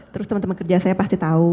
terus teman teman kerja saya pasti tahu